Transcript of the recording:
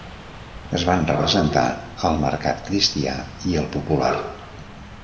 Es van representar al mercat cristià i al popular.